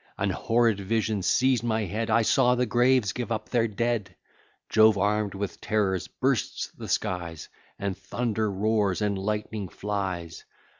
An horrid vision seized my head; I saw the graves give up their dead! Jove, arm'd with terrors, bursts the skies, And thunder roars and lightning flies!